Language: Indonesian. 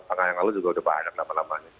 karena yang lalu juga udah banyak nama nama